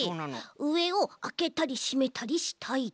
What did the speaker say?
うえをあけたりしめたりしたいと。